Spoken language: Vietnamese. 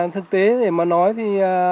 thực tế để mà nói thì